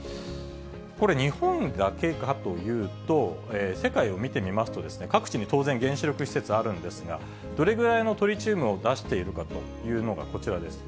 これ、日本だけかというと、世界を見てみますと、各地に当然、原子力施設があるんですが、どれぐらいのトリチウムを出しているかというのがこちらですね。